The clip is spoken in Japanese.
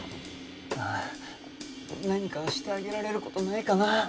ああ何かしてあげられる事ないかな？